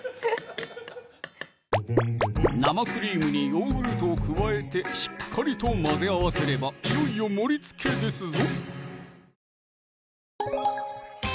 生クリームにヨーグルトを加えてしっかりと混ぜ合わせればいよいよ盛りつけですぞ！